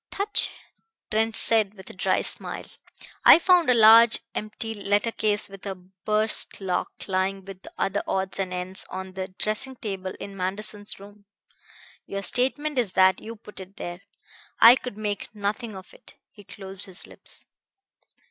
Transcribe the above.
"Touché!" Trent said, with a dry smile. "I found a large empty letter case with a burst lock lying with other odds and ends on the dressing table in Manderson's room. Your statement is that you put it there. I could make nothing of it." He closed his lips.